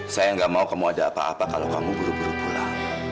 saya nggak mau kamu ada apa apa kalau kamu buru buru pulang